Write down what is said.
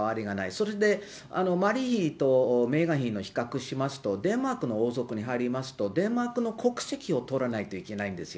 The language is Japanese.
それでマリー妃とメーガン妃の比較しますと、デンマークの王族に入りますと、デンマークの国籍を取らないといけないんですよ。